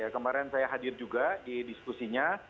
kemarin saya hadir juga di diskusinya